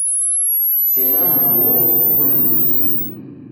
Sena huw'o, kukulindie.